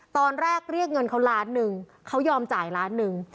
ตอนแรกเรียกเงินเขาล้านหนึ่งเขายอมจ่ายล้านหนึ่ง